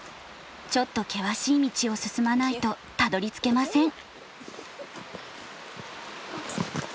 ちょっと険しい道を進まないとたどりつけません。